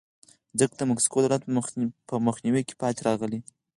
ځکه د مکسیکو دولت په مخنیوي کې پاتې راغلی دی.